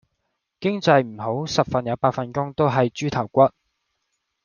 經濟唔好十份有八份工都喺豬頭骨